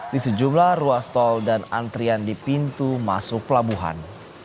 di sejumlah ruas tol dan antrian di pintu masuk pelabuhan